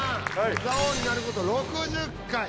座王になること６０回。